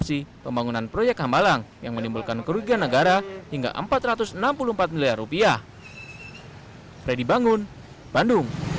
sejak tahun dua ribu penjara penjara ini telah menimbulkan kekurangan negara hingga rp empat ratus enam puluh empat miliar